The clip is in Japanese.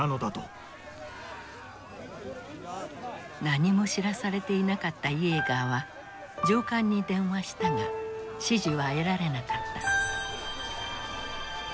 何も知らされていなかったイエーガーは上官に電話したが指示は得られなかった。